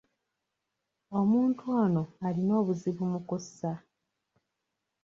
Omuntu ono alina obuzibu mu kussa.